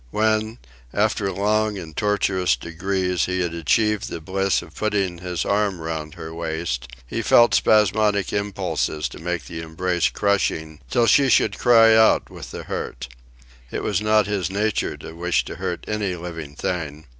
When, after long and tortuous degrees, he had achieved the bliss of putting his arm round her waist, he felt spasmodic impulses to make the embrace crushing, till she should cry out with the hurt. It was not his nature to wish to hurt any living thing.